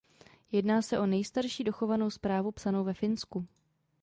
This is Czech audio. Jedná se o nejstarší dochovanou zprávu psanou ve Finsku.